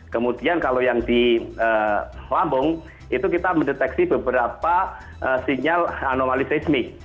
kemudian kalau yang di lambung itu kita mendeteksi beberapa sinyal anomali seismik